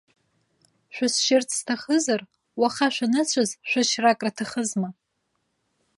Шәысшьырц сҭахызар, уаха шәаныцәаз шәышьра акраҭахызма!